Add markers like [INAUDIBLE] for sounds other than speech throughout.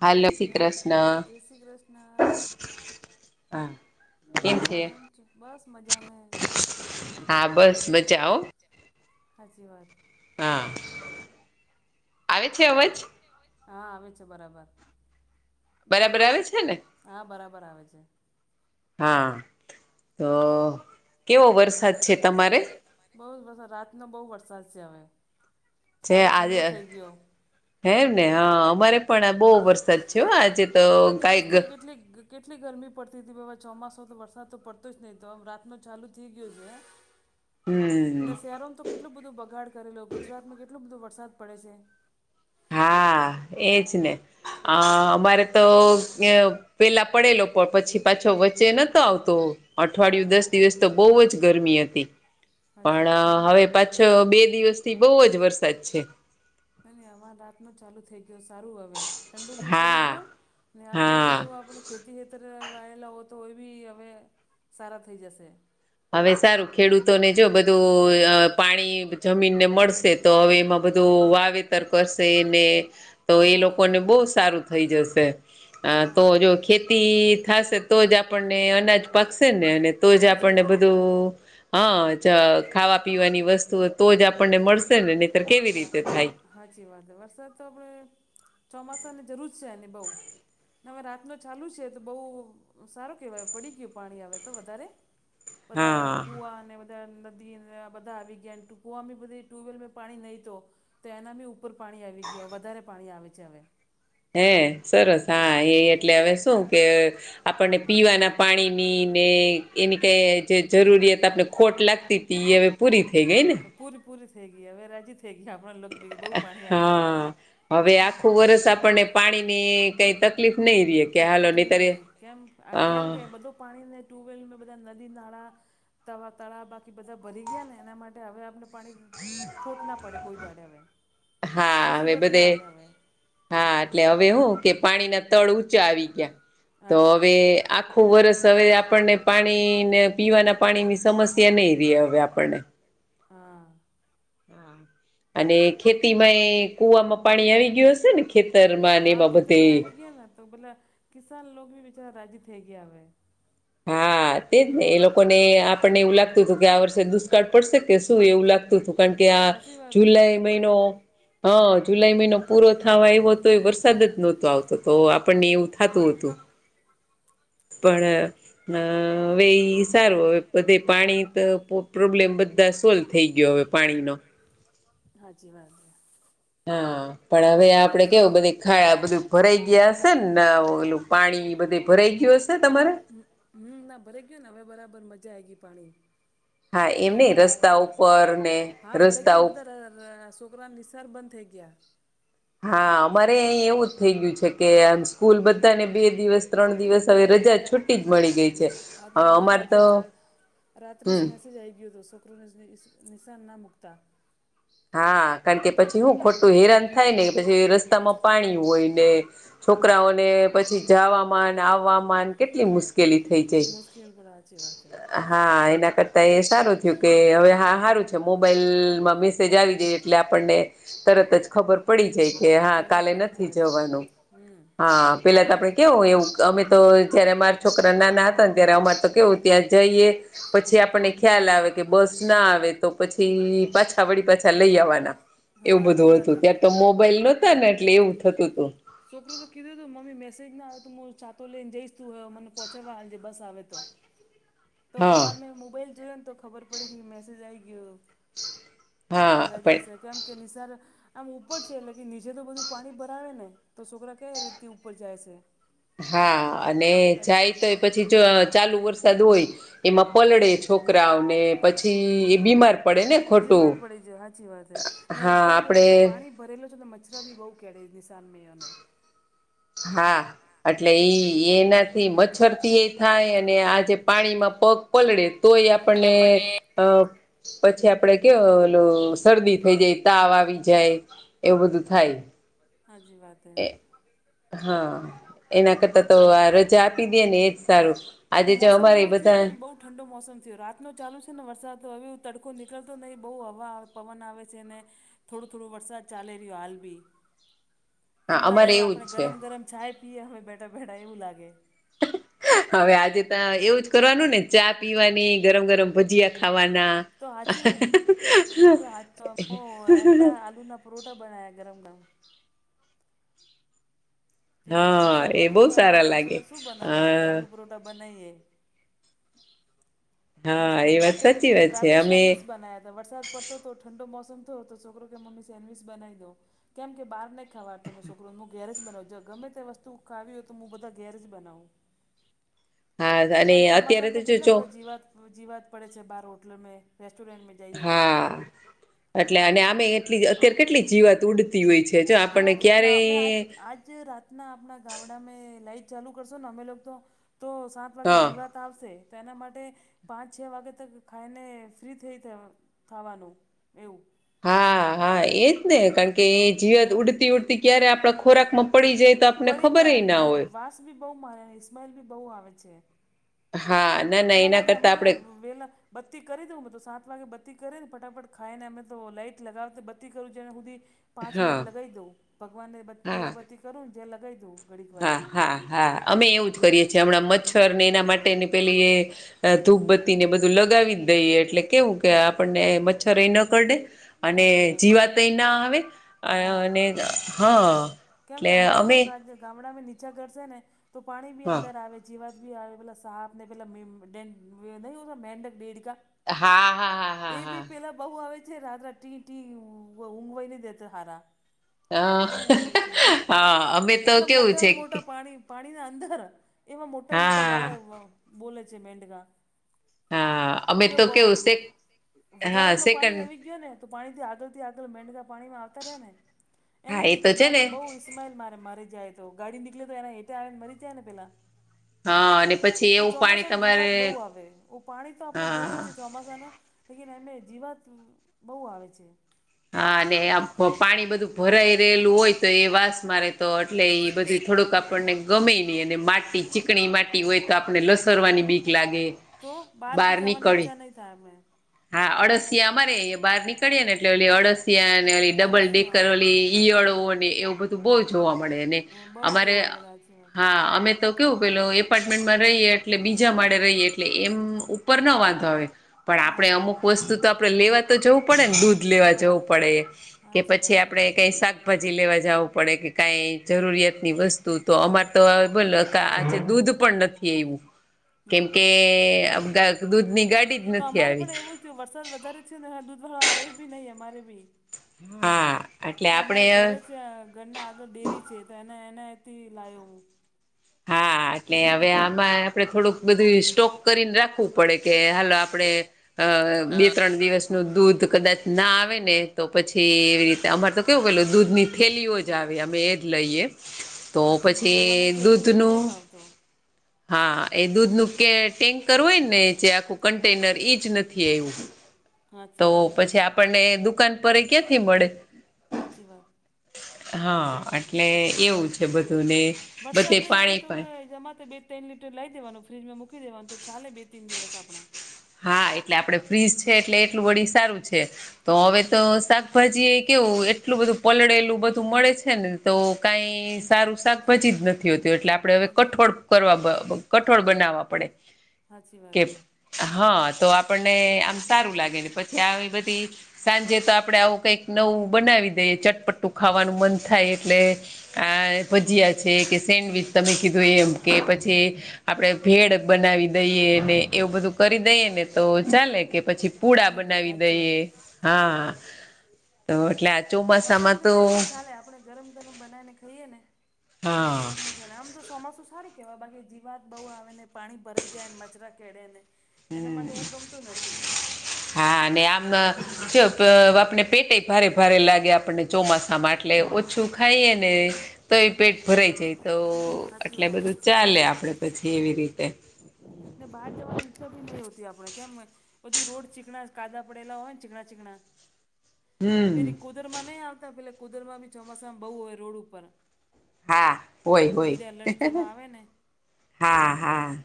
હાલ શ્રી કૃષ્ણ હા કે બસ મજા મે હા બસ બચાઓ હ જી વાત હા આવે છે અજ હા આવે છે બરાબર બરાબર આવે છે ને હા બરાબર આવે છે હા તો કેવો વર્ષ વર બ વરસાદ રાતનો બહુ વરસાદ છે હવે સારો ઠંડો થઈ ગયો હેમ ને હા અમારે પણ બહુ વરસાદ છે આજે તો કઈક એટલે કેટલી ગરમી પડતી હતી બાવા ચોમાસો તો વરસાદ તો પડતો જ નહી તો આમ રાતનો ચાલુ થઈ ગયો છે ને શહેરોમાં તો કેટલું બધું બગાડ કરેલો ગુજરાતમાં કેટલોું બધો વરસાદ પડે છે હા એજ ને અ અમારે તો પેલા પડેલો પછી પાછો વચ્ચે નતો આવતો અઠવાડિયું દસ દિવસ તો બહુ જ ગરમી હતી. પણ હવે પાછો બે દિવસથી બહુ જ વરસાદ છે ના ન આ રાત ન ચાલુ થઈ ગયો સારું હવે ઠંડુ બી પડી ગયો ને આપણે એ બધું આપણે ખેતી ખેતર વાળલા હો તો બી હવે સારા થઈ જશે હવે સારું ખેડૂતોને જો બધું પાણી જમીન ને મળશે તો હવે એમાં બધું વાવેતર કરશે ને તો એ લોકોને બહુ સારું થઈ જશે આ તો જો ખેતી થાશે તો જ આપણને અનાજ પાકશે ને અને તો જ આપણને બધું. હા ખાવા પીવાની વસ્તુ તો જ આપણને મળશે ને નહીર કેવી રીતે થાય હાચી વાત વરસાદ તો આપડણે ચોમાસાની જરૂર છેને બઉુ હવે રાતનો ચાલુ છે તો બહુ સારું કેહેવાય પડી ગયું પાણી આવે તો વધારે બધા કુવા અને નદી બધા આવી ગયા ટૂંકવા બી બધી ટ્યુબવેલમાં પાણી નહીં તો તો એના બી. પૂર પાણી આવી ગયો વધારે પાણી આવે છે હવે હે સરસ હા એ એટલે હવે શું કે આપણને પીવાના પાણીની ને એની કઈ જે જરૂરિયાત આપને ખોટ લાગતી હતી હવે પૂરી થઈ ગઈ ને પૂરી પૂરી થઈ ગઈ હવે રાજી થઈ ગઈ આપણા લોક બી બહુ પાણી આવ્યા હવે હવે આખું વરષ આપણને પાણી ની કઈ તક તકલીફ નહી કેમ આ કેમ કે બધું પાણીને ટ્યુબવેલ બધા નદી નાળા તવા તળા બાકી બધા ભરી ગયા ને એના માટે હવે આપણે પાણી ખોટ ના પડે કોઈ દડે હવે મુસીબત ના આવે હવે હા એટલે હવે હોું કે પાણીના તળ ઊંચા આવી ગયા તો હવે આખું વરષ હવે આપણને પાણીને પીવાના પાણી ની સમસ્યા નહી ર હવે આપણને હા અને ખેતીમાં એ કુવામાં પાણી આવી ગયું હશે ને ખેતરમાં અને એમાં બધે કિસાન લો ભી બિચારા રાજી થઈ ગયા હવે. હા તેજ ને એ લોકો ને આપણને એવું લાગતું હતું કે આ વર્ષે દુષ્કાળ પડશે કે શું એવું લાગતું હતું. કારણ કે આ જુલાઈ હ જુલાઈ મહિનો પૂરો થવા આવો તો વરસાદ જ નહતો આવતો તો તો આપણને એવું થાતું હતું. પણ અ વ સારું હવે બધી પાણી તો પ્રોબ્લેમ બધા સોલ્વ થઈ ગયો હવે પાણીનો હાજી વાત હા પણ હવે આપડે કેવું બધે ખા બધું ભરાઈ ગયા હશે ને ના એલું પાણી બધું ભરાઈ ગયું હશે તમારે હમ ના ભરા ગયયો ને હવે બરાબર મજા આ ગઈ પાણી બધા તળ વાળા હા ભરા ગ બધા છોકરા સર બંધ થઈ ગયા. હા અમારે અહીં એવું જ થઈ ગયું છે કે આ સ્કૂલ બધા ને બે દિવસ ત્રણ દિવસ હવે રજા છુટી જ મળી ગઈ છે. હા તો અમારે આજે રાત્રિસ મેસેજ આ આવી ગયો હતો શો કકરો નિસાન ના મુકતા હા કારણ કે પછી શું ખોટું હેરાન થાય ને પછી રસ્તામાં પાણી હોય છોકરાઓને પછી જવાવામાં આવવામાં કેટલી મુશ્કેલ કેલી થઈ જઈ હા એના કરતા એ સારું થયું કે હવે હા સારું છે મોબાઈલમાં મેસેજ આવી એટલે આપણને તરત જ ખબર પડી જાય કે હા કાલે નથી જવાનું હા પેલા તો આપડે કેવું એવું અમે તો જયારે અમારા છોકરા નાના હતા ને ત્યારે અમાર તો કેવું ત્યાં જઈએ પછી આપને ખ્યાલ આવે કે બસ ના આવે તો પછી પાછ વડી પાછા લઈ આવવાના એવું બધું હતું ત્યાં તો મોબાઈલ નોતા ને એટલે એવું થતું હતું. છોકરો તો કીધો હતોું મમ્ી મેસેજ ના આવે તો હું છતો લઈને જઈશ તું મનેહોંચવા હજ બસ આવે તો તો અવાર મેં મોબાઈલ જોયો ને તો ખબર પડીે કે મેસેજ આવી ગયો હતો. [INAUDIBLE] કે આપણે રજા હશે કેમ કે નિસર્ આમ ઉપર છે એટલે કે નીચે તો બધું પાણી ભરાવે ને તો છોકરા કયા રીતે ઉપર જાય છે. હા અને જાય તો પછી ચાલુ વરસાદ હોય એમાં પલળે છોકરાઓને પછી એ બીમાર પડે ને ખોટું પ સાચી વાત ને કેમ કે બધું પાણી તો ભરેલલો છો તો મચ્છર ભ બહુ કેે નિશાનમાં હોને હા એટલે એ એનાથી મચ્છરથી એ થાય અને આજે પાણીમાં પગ પલડે તો એ આપને અ પછી આપડે કે એટલું શરદી થઈ જાય તાવ આવી જાય એવું બધું થાય. હા જી વાત હા, એના કરતા તો આ રજા આપી દે ને એજ સારું આજે જ અમારે એ બધા ઠંડો મોસમ થયો રાતનો ચાલુ છે ને વરસાદ તો હવે તડકો નીકળતો નહીં, બહુ હવા પવન આવે છે ને થોડો થોડો વરસાદ ચાલે રહ્યો હાલ ભી [INAUDIBLE] એમ લાગે આપણે ગરમ ગરમ છાય પીએ હવે બેઠા બેઠા એવું લાગે. હવે આજે ત્યા એવું જ કરવાનું ને ચા પીવાની ગરમ ગરમ ભજીયા ખાવાના [UNINTELLIGIBLE] આલુ ના રોટા બનાયા ગરમ ગરમ કે વરસાદ વરતો હતો, એના માટે છેલો શું બનાવવા તો આલુ પરોઠા બનાવીએ. મસ્ત બને રાતે રાતે સેન્ડવિચ બનાયા હતા, વરસાદ પડતો તો ઠંડો મોસમ થયો તો છોકરો કે મમી સેન્ડવિચ બનાઈ દે કેમ કે બહાર નહીં ખાવા તમે છોકરોને હું ઘેરે જ બનાવ જે ગમે તે વસ્તુ ખાવી હોય તો હું બધા ઘેર જ બનાવું. [INAUDIBLE] કેમ ચોમાસામાં તો કેટલા બધા જીવાત જીવાત પડે છે, બાર હોટલમાં રેસ્ટોરન્ટ હા, એટલે અને અમે એટલી અત્યારે કેટલી જીવાત ઉડતી હોય છે જો આપણને ક્યારે આજે રાતના આપણા ગામડામાંમે લાઈટ ચાલુ કરશો ને અમે તો તો સાત વાગે જીવાત આવશે તો એના માટે પાંચ છ વાગે તક ખાઈને ફ્રી થઈ થવાનું એવું હા હા એજ ને કારણ કે એ જીવાત ઉડતી ઉડતી ક્યારે આપણા ખોરાક માં પડી જાય. પડી જાય ને વાસ બી બહુ મારે સ્માઈલ બી બહુ આવે છે. હા એના માટે અમે તો વેલા બત્તી કરી દેઉં મેં તો સાત વાગે બત્તી કરીે ને ફટાફટ ખાઈ ને અમે તો લાઈટ લગાવી બત્તી કરવું જેને સુધી પાંચ મિનિટ લગાવી દઉં ભગવાનને બ દીયાબત્તી કરું ને જે લગાવ દઉં હા હા હા અમે એવું જ કરીએ છીએ હમણાં મચ્છર ને એના માટેની પેલી એ ધૂપ બત્તી ને બધું લગાવી જ દઈએ એટલે કેવું કે આપણને મચ્છર એ ન કરડે અને જીવાત ય ના આવે અને હા એટલે અમે ગામડામાં નીચા ઘરશે ને તો પાણી બી અંદર આવે છે. જીવાત બી આવે પેલા સાપ ને પેલા નહી હોતા મેકડ દેડકા હા હા હા હા હા બહુ આવે છે, રાત્ર ટી ટી ઊંઘવાઈ નય દેતા હારા બઉ ઓલે છે એટલા મોટા મોટા પાણી પાણીના અંદર એવા મોટા મોટા બાર બોલે છે, મેઢકા કે બવ વધારા ના પાણી આવી ગયો ને તો પાણીથી આગળથી આગળ મેઢકા પાણીમાં આવતા રહે ને એની બી ગંદા તો બહ માયલ મારે મારી જાય તો ગાડી નીકળે તો એના હેટે આવે ને મરી જાય ને પેલા તો ચોમાસાને જીવાત બહુ આવે પાણી તો આપણે જોવું જ છે, ચોમાસાનું લકીને એમને જીવાત બહુ આવે છે. હા, અને આ પાણી બધું ભરાઈ રહેલું હોય તો એ વાસ મારે તો એટલે એ બધું થોડુંક આપણને ગમે નહી અને માટી ચીકણી માટી હોય તો આપને લસરવાની બીક લાગે. તો બહાર બી જવાની ઈચ્છા નહીં થાય અમે હા અળસિયા અમારે બહાર નીકળી ને એટલે ઓલી અળસિયા ઓલી ડબલ ડેકર ઓલી ઈયળો અને એવું બધું બહુ જોવા મળે અને અમારે હા અમે તો કેવું પેલુ એપાર્ટમેન્ટમાં રહીએ એટલે બીજા માળે રહીએ એટલે એમ ઉપર ના વાંધો આવે પણ આપણે અમુક વસ્તુ તો આપડે લેવા તો જવું પડે ને દૂધ લેવા જવું પડે એ કે પછી આપડે કઈ સાક શાકભાજી લેવા જવું પડે કે કઈ જરૂરિયાત ની વસ્તુ તો અમાર તો બો આ દૂધ- પણ નથી આવું કેમકે દૂધ ની ગાડી જ નથી આવી- એવું થું વરસાદ વધારે છે ને દૂધવાળ આવ્યો બી નહીં અમારે બી- હા તો અમારા ઘર જ ઘરના આગળ ડેરી છે એને એનાથી લ્યો હું. હા એટલે હવે આમાં આપે થોડુંક બધું સ્ટોક કરીને રાખવું પડે કે હાલો આપડે- અ બે ત્રણ દિવસ- નું દૂધ કદાચ ના આવે ને તો પછી એવી રીતે અમાર તો કેવું પેલ દૂધ ની થેલીઓ જ- જ આવે અમે એજ લઈએ- સાચી વાત આ મને થેલી નું દૂધ નહી ભાવતો- [INAUDIBLE] હા એ દૂધ નું કે ટેન્કર હોય ને જે આખું કન્ટેનર ઈ જ નથી એવું- હમ [UNINTELLIGIBLE] તો પછી આપણને દુકાન પર એ ક્યાંથી મળે? હા એટલે એવું છે બધું ને- બરસાત નહી હોવે તો મે જમા તે બેઠ- લીટર લઈ દેવાનું ફ્રીજમાં મૂકી દેવાનું તો ચાલે બે ત્રણ દિવસ આપણે. હા એટલે આપણે ફ્રીઝ છે એટલે એટલું વળી સારું છે. તો હવે તો શાકભાજી એ કેવું એટલું બધું પલળેલું બધું મળે છે ને તો કાઈ સારું શાક ભાજી જ નથી હોતું એટલે આપડે હવે કઠોળ કઠોળ બનાવવા પડે છે. સાચી વાત. હા તો આપણને આમ સારું લાગે ને પછી આવી બધી સાંજે તો આપડે આવું કઈક નવું બનાવી દઈએ ચટપટ્ટું ખાવાનું મન થાય એટલે. આ ભજીયા છે કે સેન્ડવીચ છે. તમે કીધું એમ કે પછી આપણેે ભેડ બનાવી દઈએને એવું બધું. કરી દઈએ ને તો ચાલે કે પછી પૂડા બનાવી દઈએ હા. તો એટલે આ ચોમાસામાં તો ગરમ ગરમ બનાવીને ખાઈએ ને તો વરસાદમા મજા આવે. કેવા કે જીવાત બહુ આવે ને પાણી ભરાઈ જાય ને મચ્છર કરડે ને હા અને આમ અ આપણને પેટ ભારે ભારે લાગે ચોમાસામાં એટલે ઓછું ખાઈએ ને તો એ પેટ ભરાય છે તો એટલે બધું ચાલે આપડે પછી એવી રીતે એટલે બહાર જવાની ઈચ્છા પણ નથી હોતી આપડે કેમ બધું રોડ ચીકણા કાદવ પડેલા હોય ને ચીકણા ચીકણા પેલી કુદરમાં નહી આવતા પેલે કુદરમાં બી ચોમાસામાં બહુ હોય રોડ ઉપર. હા હોય હોય હા.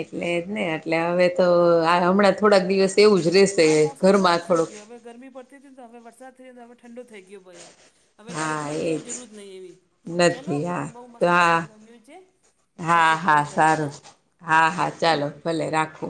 એટલે જ ને એટલે હવે તો હમણાં થોડાક દિવસ એવું જ રહેશે. હ મોસમ સારું થઈ ગયો હવે ગરમી પડતી નથી તો હવે વરસાદ પડ્યો તો ઠંડુ થઈ ગયું. હવે લાઈટની પણ જરૂરત નથી એવી. ચલો મને બહુ મસ્ત લાગ્યું ગમ્યું છે પછી કોલ કરીશ હો. હા હા ચાલો ભલે રાખો.